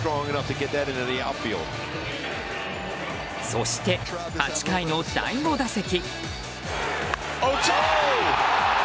そして、８回の第５打席。